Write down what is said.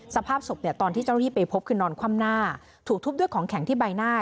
สภาพศพเนี่ยตอนที่เจ้าหน้าที่ไปพบคือนอนคว่ำหน้าถูกทุบด้วยของแข็งที่ใบหน้า